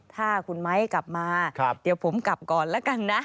ถ้าคุณไม้กลับมาเดี๋ยวผมกลับก่อนแล้วกันนะ